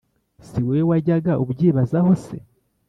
si wowe wajyaga ubyibazaho se?!